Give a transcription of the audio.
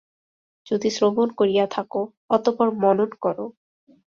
যদি শ্রবণ করিয়া থাক, অতঃপর মনন কর।